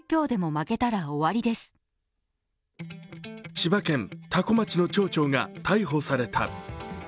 千葉県多古町の町長が逮捕された。